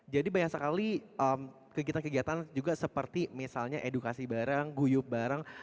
jadi banyak sekali kegiatan kegiatan juga seperti misalnya edukasi bareng guyup bareng